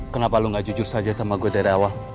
kenapa lu gak jujur saja sama gue dari awal